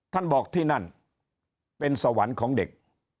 ท่านบอกที่นั่นเป็นสวรรค์ของเด็ก